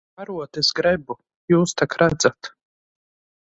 Karotes grebu. Jūs tak redzat.